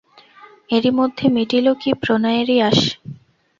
এরি মধ্যে মিটিল কি প্রণয়েরি আশ!